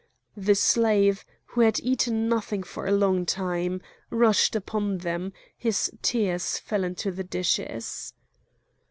The slave, who had eaten nothing for a long time, rushed upon them; his tears fell into the dishes.